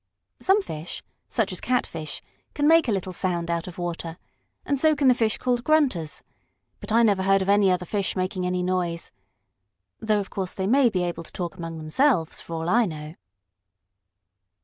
Some fish, such as catfish, can make a little sound out of water, and so can the fish called grunters, but I never heard of any other fish making any noise. Though of course they may be able to talk among themselves, for all I know.